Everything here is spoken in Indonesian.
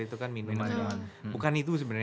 itu kan minuman bukan itu sebenarnya